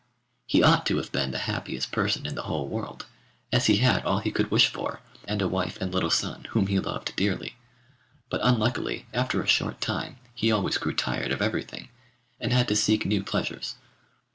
He ought to have been the happiest person in the whole world, as he had all he could wish for, and a wife and little son whom he loved dearly; but unluckily, after a short time he always grew tired of everything, and had to seek new pleasures.